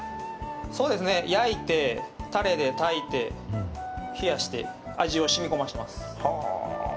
そうですね、焼いて、タレで炊いて冷やして、味をしみこませてます。